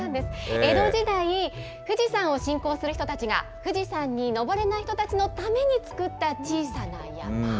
江戸時代、富士山を信仰する人たちが、富士山に登れない人たちのために作った小さな山。